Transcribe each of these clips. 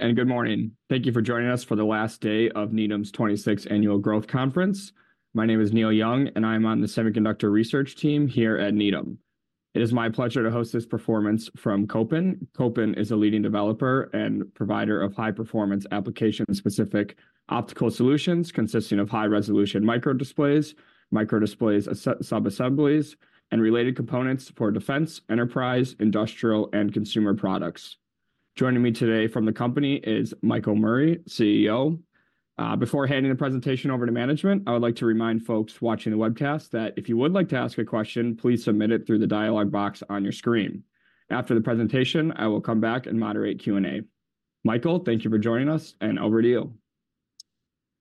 Good morning. Thank you for joining us for the last day of Needham's 26th Annual Growth Conference. My name is Neil Young, and I'm on the semiconductor research team here at Needham. It is my pleasure to host this presentation from Kopin. Kopin is a leading developer and provider of high-performance, application-specific optical solutions, consisting of high-resolution microdisplays, microdisplay sub-assemblies, and related components for defense, enterprise, industrial, and consumer products. Joining me today from the company is Michael Murray, CEO. Before handing the presentation over to management, I would like to remind folks watching the webcast that if you would like to ask a question, please submit it through the dialog box on your screen. After the presentation, I will come back and moderate Q&A. Michael, thank you for joining us, and over to you.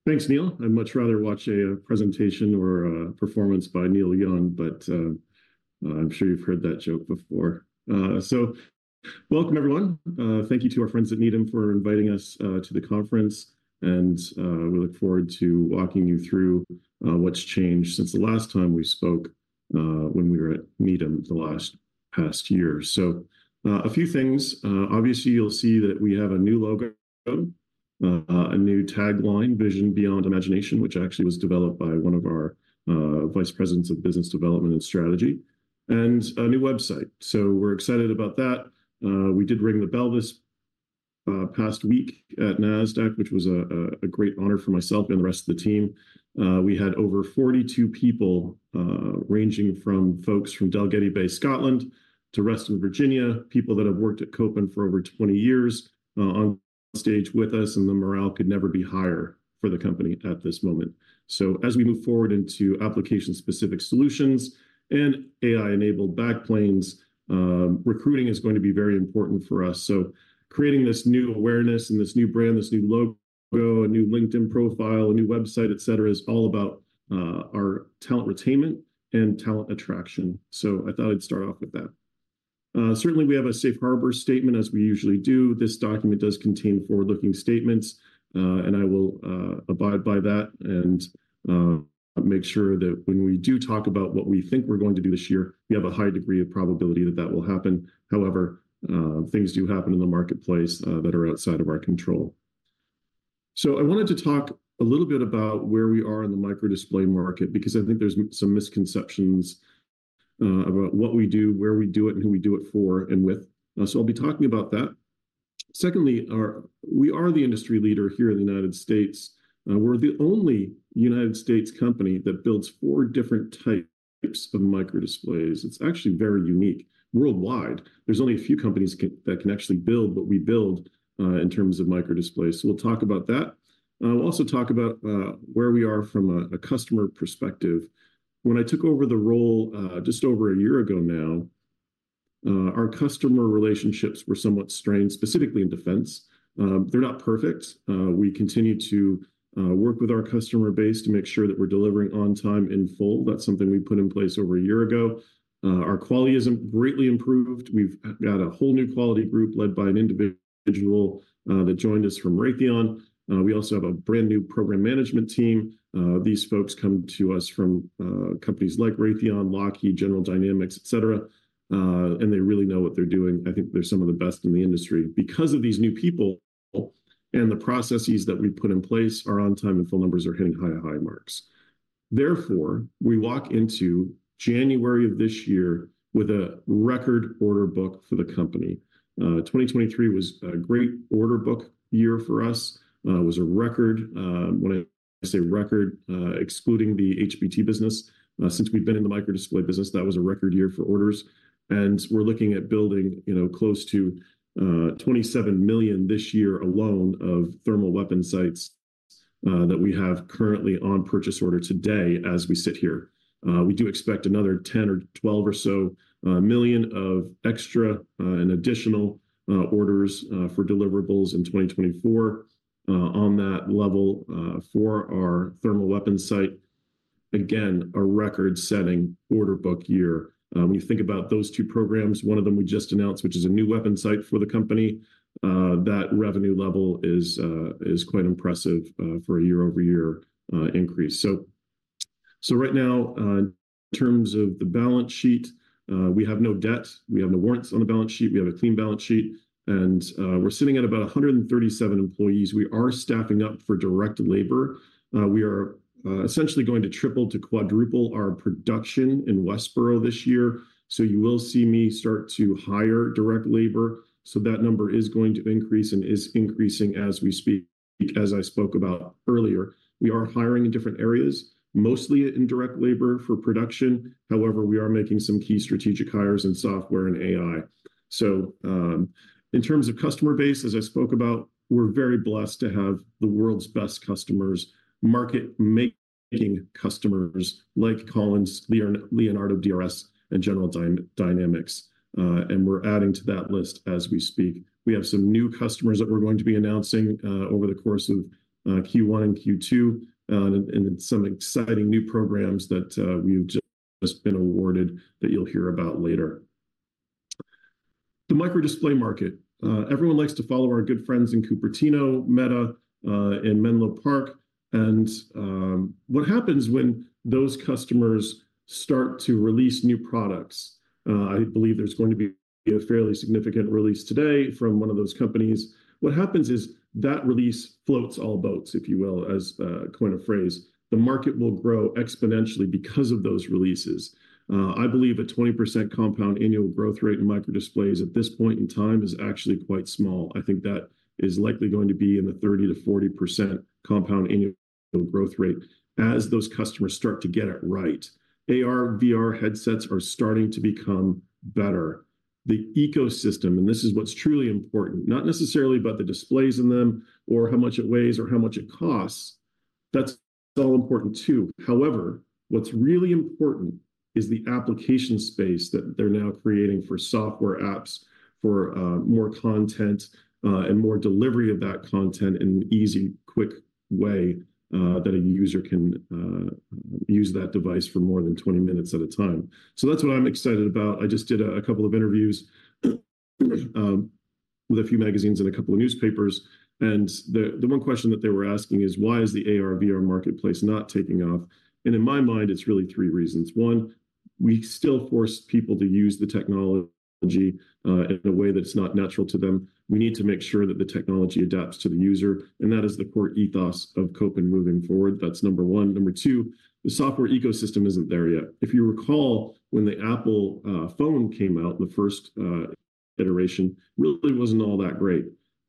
Thanks, Neil. I'd much rather watch a presentation or a performance by Neil Young, but I'm sure you've heard that joke before. So welcome, everyone. Thank you to our friends at Needham for inviting us to the conference, and we look forward to walking you through what's changed since the last time we spoke, when we were at Needham the last past year. So a few things. Obviously, you'll see that we have a new logo, a new tagline, "Vision beyond imagination," which actually was developed by one of our vice presidents of Business Development and Strategy, and a new website. So we're excited about that. We did ring the bell this past week at Nasdaq, which was a great honor for myself and the rest of the team. We had over 42 people, ranging from folks from Dalgety Bay, Scotland, to Reston, Virginia, people that have worked at Kopin for over 20 years, on stage with us, and the morale could never be higher for the company at this moment. So as we move forward into application-specific solutions and AI-enabled backplanes, recruiting is going to be very important for us. So creating this new awareness and this new brand, this new logo, a new LinkedIn profile, a new website, et cetera, is all about our talent retainment and talent attraction. So I thought I'd start off with that. Certainly, we have a safe harbor statement, as we usually do. This document does contain forward-looking statements, and I will abide by that and make sure that when we do talk about what we think we're going to do this year, we have a high degree of probability that that will happen. However, things do happen in the marketplace that are outside of our control. So I wanted to talk a little bit about where we are in the microdisplay market, because I think there's some misconceptions about what we do, where we do it, and who we do it for and with. So I'll be talking about that. Secondly, we are the industry leader here in the United States. We're the only United States company that builds four different types of microdisplays. It's actually very unique. Worldwide, there's only a few companies that can actually build what we build, in terms of microdisplays, so we'll talk about that. I'll also talk about where we are from a customer perspective. When I took over the role, just over a year ago now, our customer relationships were somewhat strained, specifically in defense. They're not perfect. We continue to work with our customer base to make sure that we're delivering on time in full. That's something we put in place over a year ago. Our quality has greatly improved. We've got a whole new quality group led by an individual that joined us from Raytheon. We also have a brand-new program management team. These folks come to us from companies like Raytheon, Lockheed, General Dynamics, et cetera, and they really know what they're doing. I think they're some of the best in the industry. Because of these new people and the processes that we've put in place, our on-time and full numbers are hitting higher, high marks. Therefore, we walk into January of this year with a record order book for the company. 2023 was a great order book year for us, was a record, when I say record, excluding the HBT business. Since we've been in the microdisplay business, that was a record year for orders, and we're looking at building, you know, close to $27 million this year alone of thermal weapon sights that we have currently on purchase order today as we sit here. We do expect another $10 million-$12 million or so of extra and additional orders for deliverables in 2024, on that level, for our thermal weapon sight. Again, a record-setting order book year. When you think about those two programs, one of them we just announced, which is a new weapon sight for the company, that revenue level is quite impressive for a year-over-year increase. So right now, in terms of the balance sheet, we have no debt, we have no warrants on the balance sheet, we have a clean balance sheet, and we're sitting at about 137 employees. We are staffing up for direct labor. We are essentially going to triple to quadruple our production in Westborough this year, so you will see me start to hire direct labor, so that number is going to increase and is increasing as we speak. As I spoke about earlier, we are hiring in different areas, mostly in direct labor for production. However, we are making some key strategic hires in software and AI. So, in terms of customer base, as I spoke about, we're very blessed to have the world's best customers, market making customers like Collins, Leonardo DRS, and General Dynamics, and we're adding to that list as we speak. We have some new customers that we're going to be announcing over the course of Q1 and Q2, and some exciting new programs that we've just been awarded that you'll hear about later. The microdisplay market. Everyone likes to follow our good friends in Cupertino, Meta, in Menlo Park. What happens when those customers start to release new products? I believe there's going to be a fairly significant release today from one of those companies. What happens is that release floats all boats, if you will, as a coin of phrase. The market will grow exponentially because of those releases. I believe a 20% compound annual growth rate in microdisplays at this point in time is actually quite small. I think that is likely going to be in the 30%-40% compound annual growth rate as those customers start to get it right. AR/VR headsets are starting to become better. The ecosystem, and this is what's truly important, not necessarily about the displays in them or how much it weighs or how much it costs. That's all important, too. However, what's really important is the application space that they're now creating for software apps, for more content, and more delivery of that content in an easy, quick way, that a user can use that device for more than 20 minutes at a time. So that's what I'm excited about. I just did a couple of interviews with a few magazines and a couple of newspapers, and the one question that they were asking is, "Why is the AR/VR marketplace not taking off?" And in my mind, it's really three reasons. One, we still force people to use the technology in a way that's not natural to them. We need to make sure that the technology adapts to the user, and that is the core ethos of Kopin moving forward. That's number one. Number two, the software ecosystem isn't there yet. If you recall, when the Apple phone came out, the first iteration really wasn't all that great.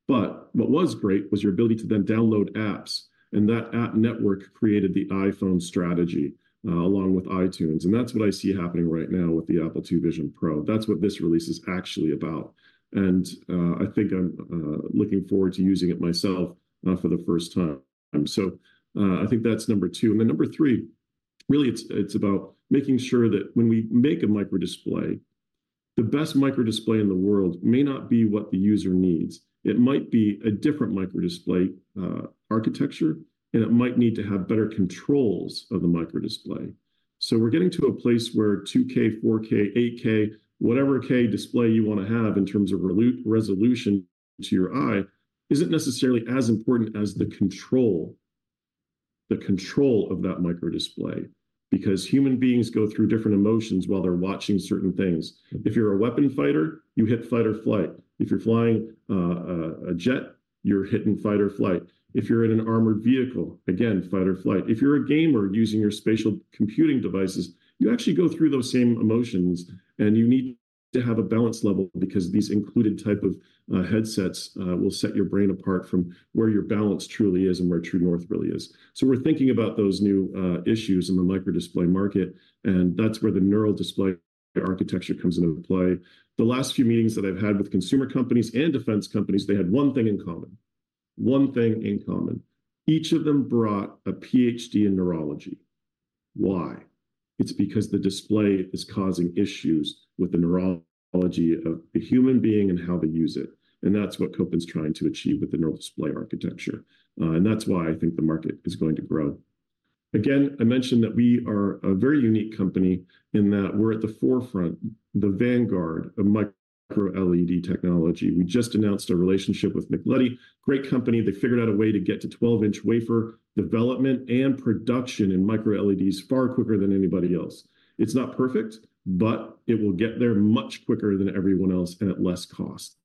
But what was great was your ability to then download apps, and that app network created the iPhone strategy, along with iTunes. And that's what I see happening right now with the Apple Vision Pro. That's what this release is actually about. And, I think I'm looking forward to using it myself, for the first time. So, I think that's number two. And then number three, really, it's about making sure that when we make a microdisplay, the best microdisplay in the world may not be what the user needs. It might be a different microdisplay architecture, and it might need to have better controls of the microdisplay. So we're getting to a place where 2K, 4K, 8K, whatever K display you wanna have in terms of resolution to your eye, isn't necessarily as important as the control, the control of that microdisplay. Because human beings go through different emotions while they're watching certain things. If you're a weapon fighter, you hit fight or flight. If you're flying a jet, you're hitting fight or flight. If you're in an armored vehicle, again, fight or flight. If you're a gamer using your spatial computing devices, you actually go through those same emotions, and you need to have a balance level because these included type of headsets will set your brain apart from where your balance truly is and where true north really is. So we're thinking about those new issues in the microdisplay market, and that's where the NeuralDisplay architecture comes into play. The last few meetings that I've had with consumer companies and defense companies, they had one thing in common. One thing in common: each of them brought a Ph.D. in neurology. Why? It's because the display is causing issues with the neurology of the human being and how they use it, and that's what Kopin's trying to achieve with the NeuralDisplay architecture. And that's why I think the market is going to grow. Again, I mentioned that we are a very unique company in that we're at the forefront, the vanguard of microLED technology. We just announced a relationship with MICLEDI, great company. They figured out a way to get to 12 in wafer development and production in microLEDs far quicker than anybody else. It's not perfect, but it will get there much quicker than everyone else and at less cost.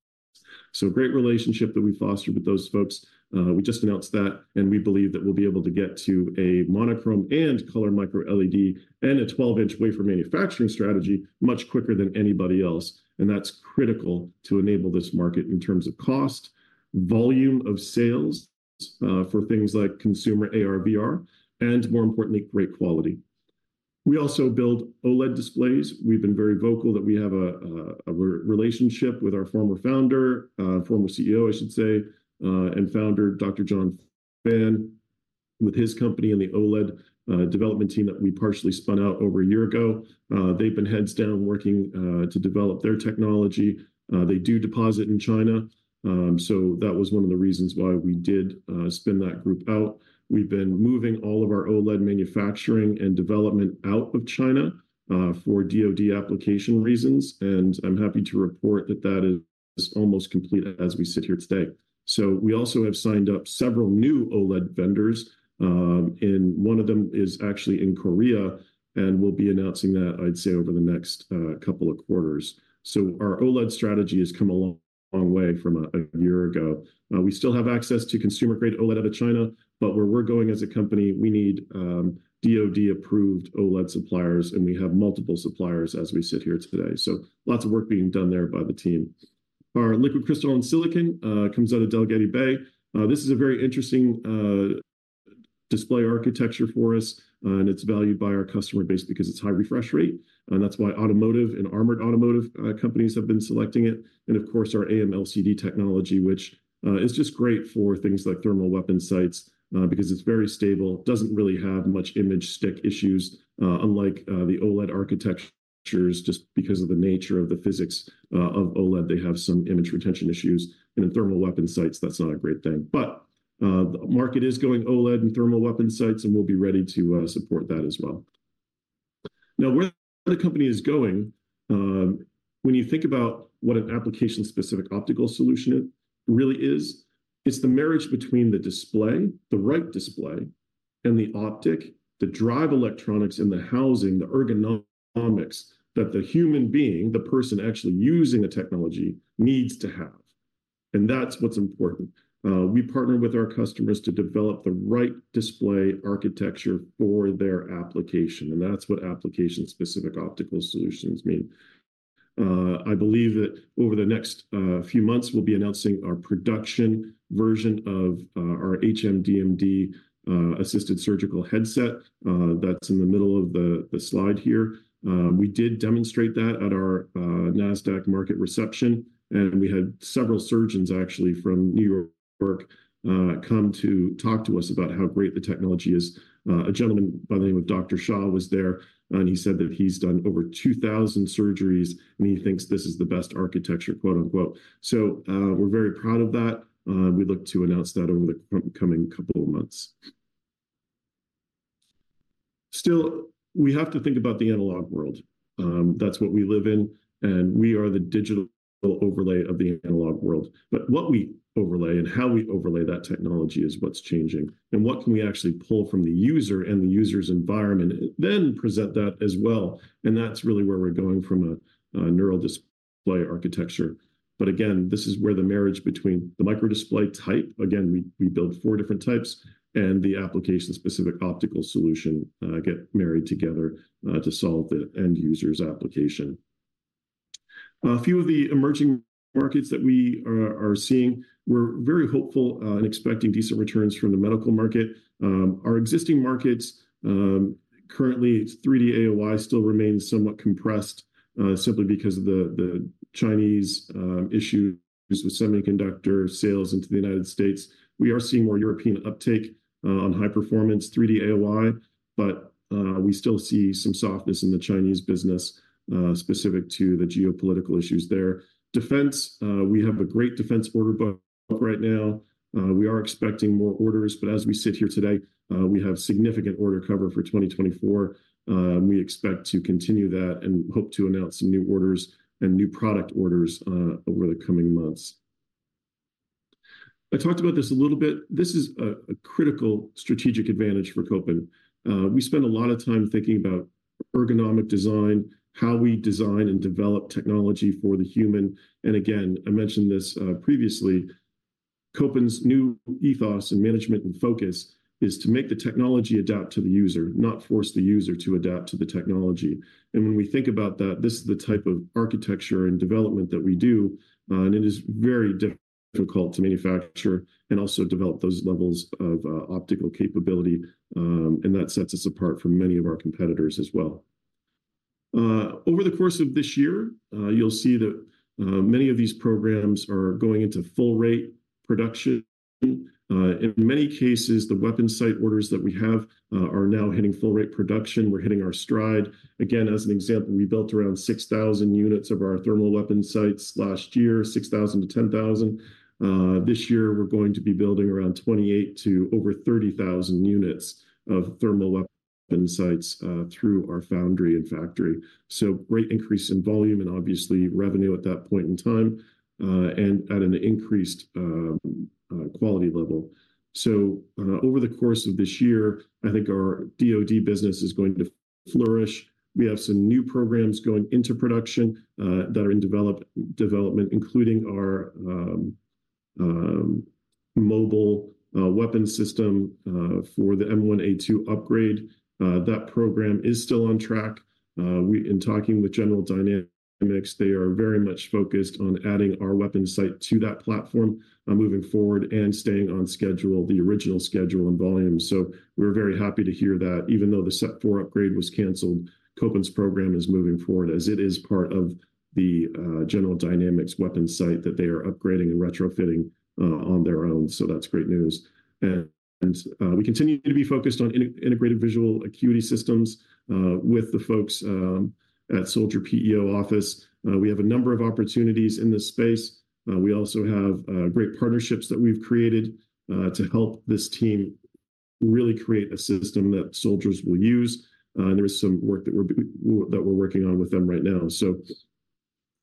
So great relationship that we fostered with those folks. We just announced that, and we believe that we'll be able to get to a monochrome and color microLED and a 12 in wafer manufacturing strategy much quicker than anybody else, and that's critical to enable this market in terms of cost, volume of sales, for things like consumer AR/VR, and more importantly, great quality. We also build OLED displays. We've been very vocal that we have a relationship with our former founder, former CEO, I should say, and founder, Dr. John Fan, with his company and the OLED development team that we partially spun out over a year ago. They've been heads down, working to develop their technology. They do deposit in China, so that was one of the reasons why we did spin that group out. We've been moving all of our OLED manufacturing and development out of China for DoD application reasons, and I'm happy to report that that is almost complete as we sit here today. So we also have signed up several new OLED vendors, and one of them is actually in Korea, and we'll be announcing that, I'd say, over the next couple of quarters. So our OLED strategy has come a long way from a year ago. We still have access to consumer-grade OLED out of China, but where we're going as a company, we need DoD-approved OLED suppliers, and we have multiple suppliers as we sit here today. So lots of work being done there by the team. Our liquid crystal on silicon comes out of Dalgety Bay. This is a very interesting display architecture for us, and it's valued by our customer base because it's high refresh rate, and that's why automotive and armored automotive companies have been selecting it. And of course, our AMLCD technology, which is just great for things like thermal weapon sights, because it's very stable, doesn't really have much image stick issues, unlike the OLED architectures, just because of the nature of the physics of OLED, they have some image retention issues. And in thermal weapon sights, that's not a great thing. But the market is going OLED and thermal weapon sights, and we'll be ready to support that as well. Now, where the company is going, when you think about what an application-specific optical solution really is, it's the marriage between the display, the right display, and the optic, the drive electronics in the housing, the ergonomics, that the human being, the person actually using the technology, needs to have. And that's what's important. We partner with our customers to develop the right display architecture for their application, and that's what application-specific optical solutions mean. I believe that over the next few months, we'll be announcing our production version of our HMDmd assisted surgical headset. That's in the middle of the slide here. We did demonstrate that at our Nasdaq market reception, and we had several surgeons, actually, from New York come to talk to us about how great the technology is. A gentleman by the name of Dr. Shaw was there, and he said that he's done over 2,000 surgeries, and he thinks this is the "best architecture," quote-unquote. So, we're very proud of that. We look to announce that over the coming couple of months. Still, we have to think about the analog world. That's what we live in, and we are the digital overlay of the analog world. But what we overlay and how we overlay that technology is what's changing. And what can we actually pull from the user and the user's environment, and then present that as well? And that's really where we're going from a NeuralDisplay Architecture. But again, this is where the marriage between the microdisplay type, again, we build four different types, and the application-specific optical solution get married together to solve the end user's application. A few of the emerging markets that we are seeing, we're very hopeful and expecting decent returns from the medical market. Our existing markets, currently, it's 3D AOI still remains somewhat compressed, simply because of the Chinese issue with semiconductor sales into the United States. We are seeing more European uptake on high-performance 3D AOI, but we still see some softness in the Chinese business specific to the geopolitical issues there. Defense, we have a great defense order book right now. We are expecting more orders, but as we sit here today, we have significant order cover for 2024. We expect to continue that and hope to announce some new orders and new product orders over the coming months. I talked about this a little bit. This is a critical strategic advantage for Kopin. We spend a lot of time thinking about ergonomic design, how we design and develop technology for the human. Again, I mentioned this previously. Kopin's new ethos in management and focus is to make the technology adapt to the user, not force the user to adapt to the technology. And when we think about that, this is the type of architecture and development that we do, and it is very difficult to manufacture and also develop those levels of optical capability. And that sets us apart from many of our competitors as well. Over the course of this year, you'll see that many of these programs are going into full rate production. In many cases, the weapon sight orders that we have are now hitting full rate production. We're hitting our stride. Again, as an example, we built around 6,000 units of our thermal weapon sights last year, 6,000-10,000. This year, we're going to be building around 28 to over 30,000 units of thermal weapon sights through our foundry and factory. So great increase in volume and obviously revenue at that point in time, and at an increased quality level. So, over the course of this year, I think our DoD business is going to flourish. We have some new programs going into production that are in development, including our mobile weapon system for the M1A2 upgrade. That program is still on track. In talking with General Dynamics, they are very much focused on adding our weapon sight to that platform, moving forward and staying on schedule, the original schedule and volume. So we're very happy to hear that. Even though the SEPv4 upgrade was canceled, Kopin's program is moving forward as it is part of the General Dynamics weapon sight that they are upgrading and retrofitting on their own. So that's great news. And we continue to be focused on Integrated Visual Augmentation System with the folks at Soldier PEO office. We have a number of opportunities in this space. We also have great partnerships that we've created to help this team really create a system that soldiers will use, and there is some work that we're working on with them right now. So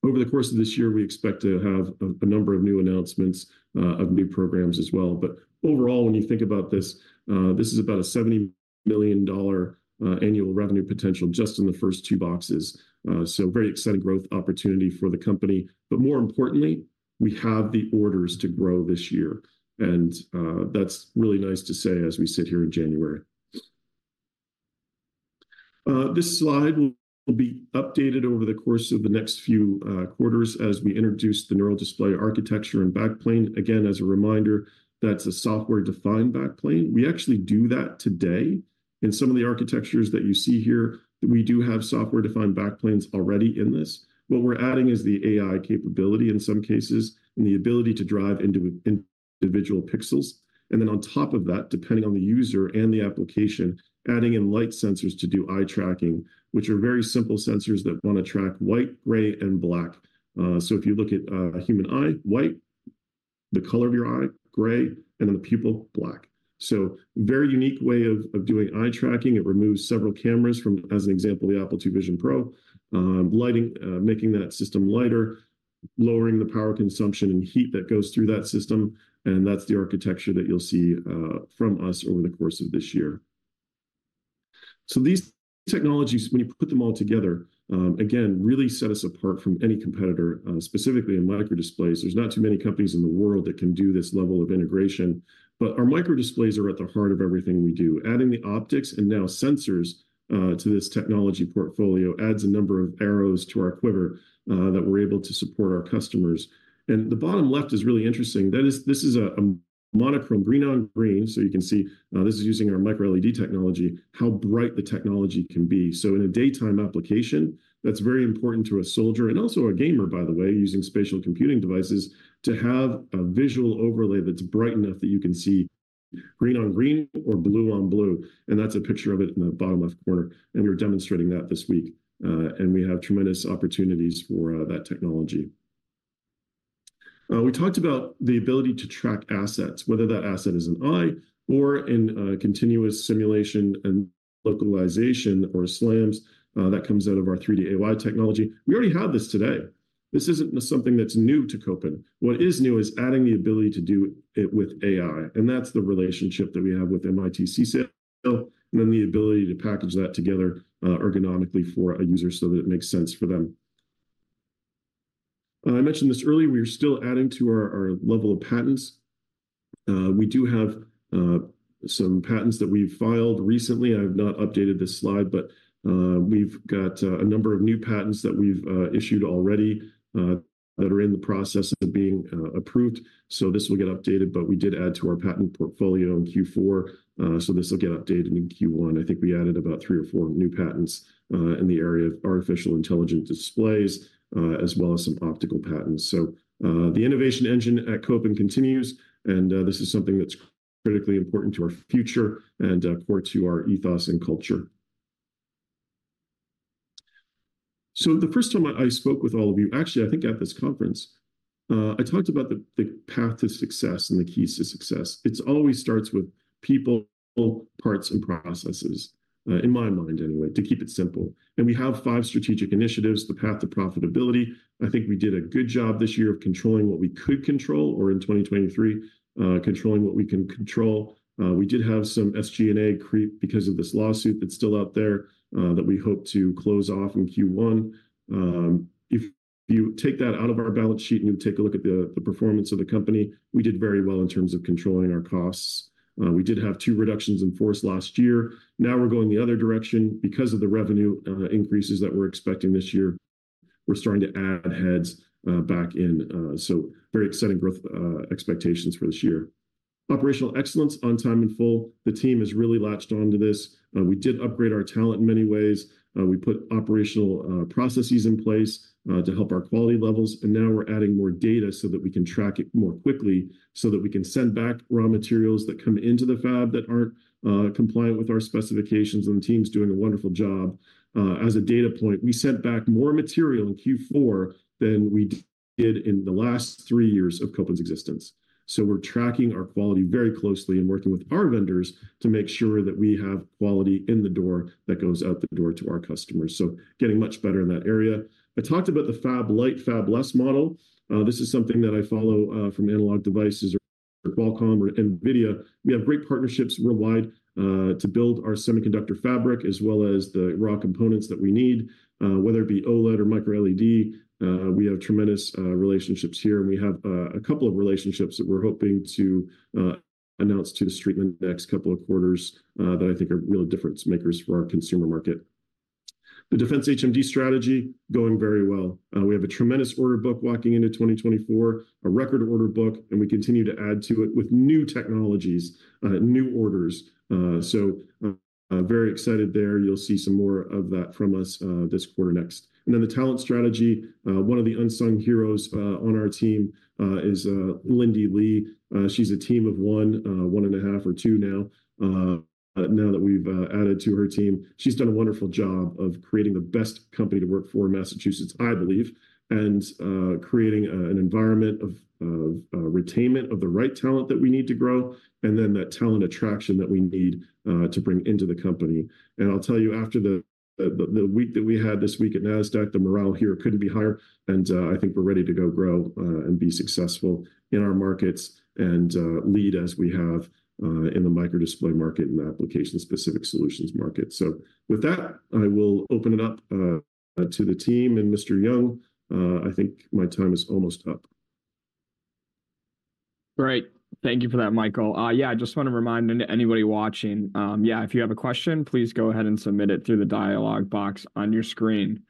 over the course of this year, we expect to have a number of new announcements of new programs as well. But overall, when you think about this, this is about a $70 million annual revenue potential just in the first two boxes. So very exciting growth opportunity for the company. But more importantly, we have the orders to grow this year, and that's really nice to say as we sit here in January. This slide will be updated over the course of the next few quarters as we introduce the NeuralDisplay Architecture and backplane. Again, as a reminder, that's a software-defined backplane. We actually do that today. In some of the architectures that you see here, we do have software-defined backplanes already in this. What we're adding is the AI capability in some cases, and the ability to drive into individual pixels. And then on top of that, depending on the user and the application, adding in light sensors to do eye tracking, which are very simple sensors that wanna track white, gray, and black. So if you look at human eye, white, the color of your eye, gray, and then the pupil, black. So very unique way of doing eye tracking. It removes several cameras from, as an example, the Apple Vision Pro, lightening, making that system lighter, lowering the power consumption and heat that goes through that system, and that's the architecture that you'll see from us over the course of this year. So these technologies, when you put them all together, again, really set us apart from any competitor, specifically in micro displays. There's not too many companies in the world that can do this level of integration. But our microdisplays are at the heart of everything we do. Adding the optics and now sensors to this technology portfolio adds a number of arrows to our quiver that we're able to support our customers. The bottom left is really interesting. That is, this is a monochrome green on green, so you can see, this is using our microLED technology, how bright the technology can be. So in a daytime application, that's very important to a soldier and also a gamer, by the way, using spatial computing devices, to have a visual overlay that's bright enough that you can see green on green or blue on blue, and that's a picture of it in the bottom left corner. We're demonstrating that this week, and we have tremendous opportunities for that technology. We talked about the ability to track assets, whether that asset is an eye or in Simultaneous Localization and Mapping, or SLAMs, that comes out of our 3D AOI technology. We already have this today. This isn't something that's new to Kopin. What is new is adding the ability to do it with AI, and that's the relationship that we have with MIT CSAIL, and then the ability to package that together, ergonomically for a user so that it makes sense for them. I mentioned this earlier, we are still adding to our, our level of patents. We do have some patents that we've filed recently. I've not updated this slide, but we've got a number of new patents that we've issued already that are in the process of being approved. So this will get updated, but we did add to our patent portfolio in Q4, so this will get updated in Q1. I think we added about three or four new patents in the area of artificial intelligent displays as well as some optical patents. So the innovation engine at Kopin continues, and this is something that's critically important to our future and core to our ethos and culture. So the first time I, I spoke with all of you, actually, I think at this conference, I talked about the, the path to success and the keys to success. It's always starts with people, parts, and processes in my mind anyway, to keep it simple. And we have five strategic initiatives, the path to profitability. I think we did a good job this year of controlling what we could control, or in 2023, controlling what we can control. We did have some SG&A creep because of this lawsuit that's still out there, that we hope to close off in Q1. If you take that out of our balance sheet and you take a look at the performance of the company, we did very well in terms of controlling our costs. We did have two reductions in force last year. Now we're going the other direction because of the revenue increases that we're expecting this year. We're starting to add heads back in, so very exciting growth expectations for this year. Operational excellence on time in full, the team has really latched onto this. We did upgrade our talent in many ways. We put operational processes in place to help our quality levels, and now we're adding more data so that we can track it more quickly, so that we can send back raw materials that come into the fab that aren't compliant with our specifications, and the team's doing a wonderful job. As a data point, we sent back more material in Q4 than we did in the last three years of Kopin's existence. So we're tracking our quality very closely and working with our vendors to make sure that we have quality in the door that goes out the door to our customers. So getting much better in that area. I talked about the fab-lite, fabless model. This is something that I follow from Analog Devices or Qualcomm or NVIDIA. We have great partnerships worldwide to build our semiconductor fabric, as well as the raw components that we need, whether it be OLED or microLED. We have tremendous relationships here, and we have a couple of relationships that we're hoping to announce to the street in the next couple of quarters that I think are real difference makers for our consumer market. The defense HMD strategy going very well. We have a tremendous order book walking into 2024, a record order book, and we continue to add to it with new technologies, new orders. So, very excited there. You'll see some more of that from us this quarter next. Then the talent strategy. One of the unsung heroes on our team is Lindy Li. She's a team of one, 1.5 or two now, now that we've added to her team. She's done a wonderful job of creating the best company to work for in Massachusetts, I believe, and creating an environment of retainment of the right talent that we need to grow, and then that talent attraction that we need to bring into the company. And I'll tell you, after the week that we had this week at Nasdaq, the morale here couldn't be higher, and I think we're ready to go grow and be successful in our markets and lead as we have in the microdisplay market and the application-specific solutions market. So with that, I will open it up to the team and Mr. Young, I think my time is almost up. Great. Thank you for that, Michael. Yeah, I just want to remind anybody watching, if you have a question, please go ahead and submit it through the dialog box on your screen.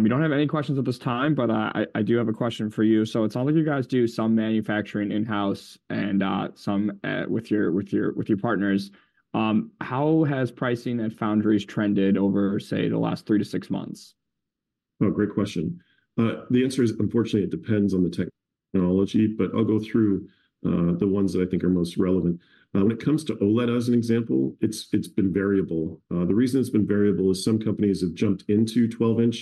We don't have any questions at this time, but I do have a question for you. So it's all of you guys do some manufacturing in-house and some with your partners. How has pricing at foundries trended over, say, the last three to six months? Oh, great question. The answer is, unfortunately, it depends on the technology, but I'll go through the ones that I think are most relevant. When it comes to OLED as an example, it's, it's been variable. The reason it's been variable is some companies have jumped into 12 in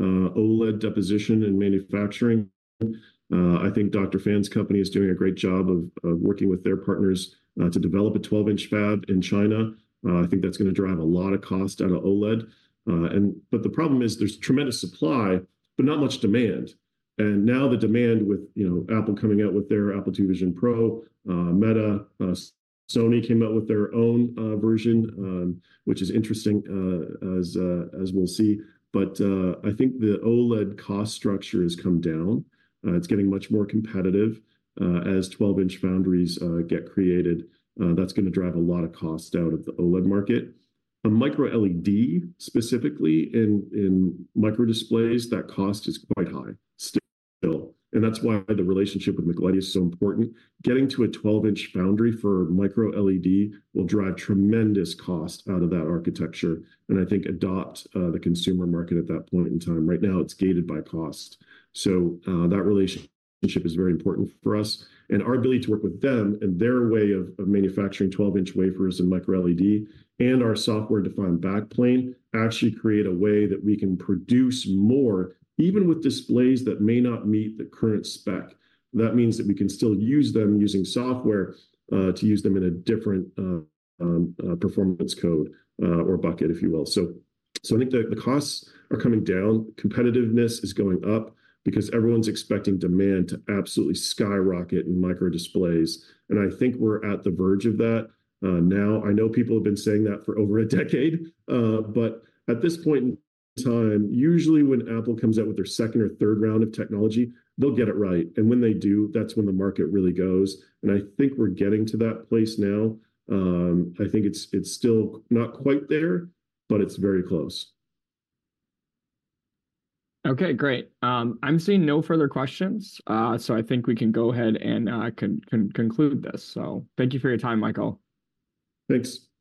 OLED deposition and manufacturing. I think Dr. Fan's company is doing a great job of working with their partners to develop a 12 in fab in China. I think that's gonna drive a lot of cost out of OLED. And but the problem is there's tremendous supply, but not much demand. And now the demand with, you know, Apple coming out with their Apple Vision Pro, Meta, Sony came out with their own version, which is interesting, as we'll see. But, I think the OLED cost structure has come down. It's getting much more competitive, as 12 in foundries get created. That's gonna drive a lot of cost out of the OLED market. A microLED, specifically in micro displays, that cost is quite high still, and that's why the relationship with MICLEDI is so important. Getting to a 12 in foundry for microLED will drive tremendous cost out of that architecture, and I think adopt, the consumer market at that point in time. Right now, it's gated by cost. So, that relationship is very important for us, and our ability to work with them and their way of manufacturing 12 in wafers and microLED and our software-defined back plane, actually create a way that we can produce more, even with displays that may not meet the current spec. That means that we can still use them using software to use them in a different performance code or bucket, if you will. So, I think the costs are coming down. Competitiveness is going up because everyone's expecting demand to absolutely skyrocket in micro displays, and I think we're at the verge of that. Now, I know people have been saying that for over a decade, but at this point in time, usually when Apple comes out with their second or third round of technology, they'll get it right. And when they do, that's when the market really goes, and I think we're getting to that place now. I think it's still not quite there, but it's very close. Okay, great. I'm seeing no further questions, so I think we can go ahead, and I can conclude this. Thank you for your time, Michael. Thanks.